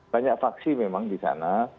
banyak faksi memang di sana